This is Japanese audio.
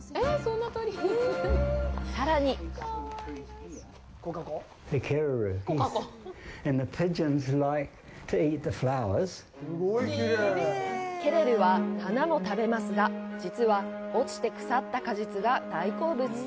さらにケレルは、花も食べますが、実は、落ちて腐った果実が大好物。